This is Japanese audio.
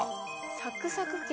サクサク剣。